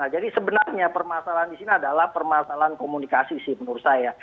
jadi sebenarnya permasalahan di sini adalah permasalahan komunikasi sih menurut saya